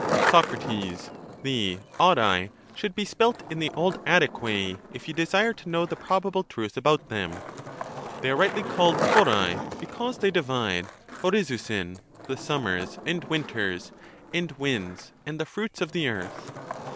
Soc The o)pai should be spelt in the old Attic way, if you desire to know the probable truth about them ; they are rightly called the opai because they divide [bpi^ovoiv) the summers and winters and winds and the fruits of the earth.